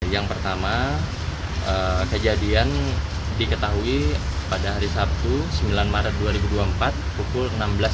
yang pertama kejadian diketahui pada hari sabtu sembilan maret dua ribu dua puluh empat pukul enam belas tiga puluh